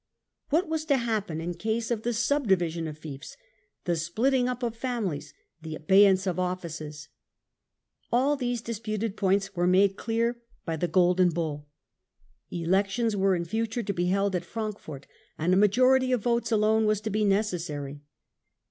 What was to happen in case of the subdivision of fiefs, the splitting up of families, the abeyance of offices ? All these disputed points were made clear by the Golden Bull. Elections were in future to be held at Frankfort, and a majority of votes alone was to be necessary.